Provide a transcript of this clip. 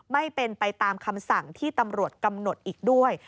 ไม่เป็นไปตามคำสั่งที่ตำรวจกำหนดอีกด้วย